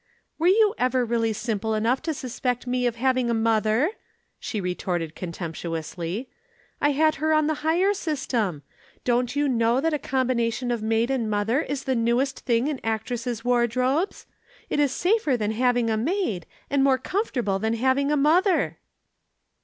"Were you ever really simple enough to suspect me of having a mother?" she retorted contemptuously. "I had her on the hire system. Don't you know that a combination of maid and mother is the newest thing in actresses' wardrobes? It is safer then having a maid, and more comfortable than having a mother."